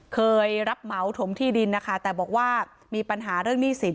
เคยรับเหมาถมที่ดินนะคะแต่บอกว่ามีปัญหาเรื่องหนี้สิน